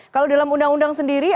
kalau dalam undang undang sendiri